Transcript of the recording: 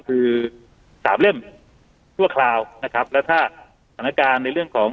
คือสามเล่มชั่วคราวนะครับแล้วถ้าสถานการณ์ในเรื่องของ